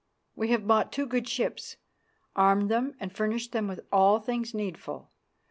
We have bought two good ships, armed them and furnished them with all things needful.